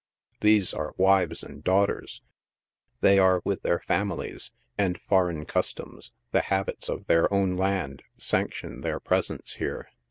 These are wives and daughters — they are with their families, and foreign customs — the habits of their own land sanction their presence here.